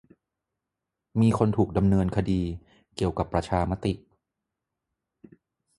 มีคนถูกดำเนินคดีเกี่ยวกับประชามติ